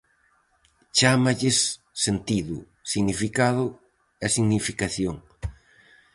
Chámalles Sentido, Significado e Significación.